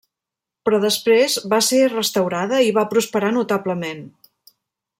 Però després va ser restaurada i va prosperar notablement.